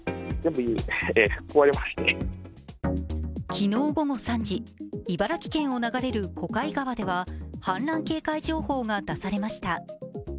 昨日午後３時、茨城県を流れる小貝川では、氾濫警戒情報が出されました。